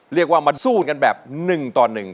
เรียกว่ามาสู้กันแบบหนึ่งต่อหนึ่ง